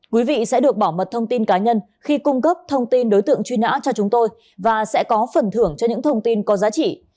quý vị sẽ được bảo mật thông tin cá nhân khi cung cấp thông tin đối tượng truy nã cho chúng tôi và sẽ có phần thưởng cho những thông tin có giá trị